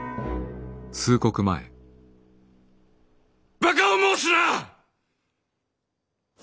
バカを申すな！